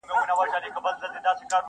بس و یار ته ستا خواږه کاته درمان سي.